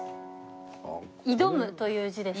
「挑」という字です。